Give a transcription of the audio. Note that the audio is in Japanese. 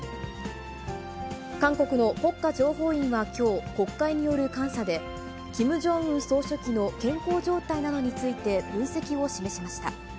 韓国の国家情報院はきょう、国会による監査で、キム・ジョンウン総書記の健康状態などについて、分析を示しました。